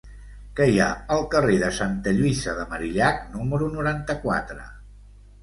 Què hi ha al carrer de Santa Lluïsa de Marillac número noranta-quatre?